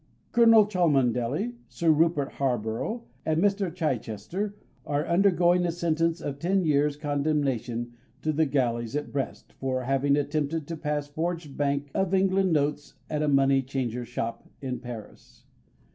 Colonel Cholmondeley, Sir Rupert Harborough, and Mr. Chichester are undergoing a sentence of ten years' condemnation to the galleys at Brest, for having attempted to pass forged Bank of England notes at a money changer's shop in Paris.